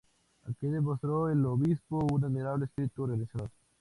Aquí demostró el obispo un admirable espíritu organizador.